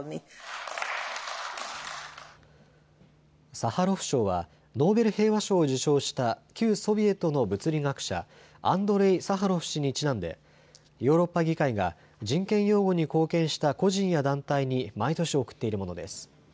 サハロフ賞はノーベル平和賞を受賞した旧ソビエトの物理学者、アンドレイ・サハロフ氏にちなんでヨーロッパ議会が人権擁護に貢献した個人や団体に毎年贈っているものです。